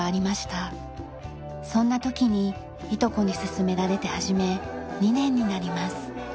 そんな時にいとこに勧められて始め２年になります。